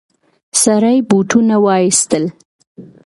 سړي بوټونه وايستل.